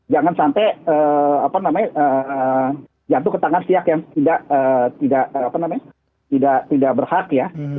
jangan sampai jatuh ke tangan pihak yang tidak berhak ya